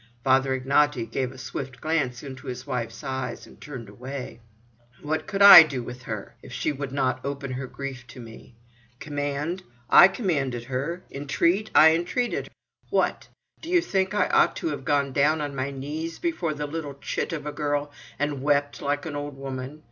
Father Ignaty gave a swift glance into his wife's eyes, and turned away. "What could I do with her, if she would not open her grief to me. Command? I commanded her. Intreat? I intreated. What? Do you think I ought to have gone down on my knees before the little chit of a girl, and wept, like an old woman!